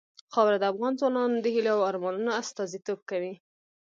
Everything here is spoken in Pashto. خاوره د افغان ځوانانو د هیلو او ارمانونو استازیتوب کوي.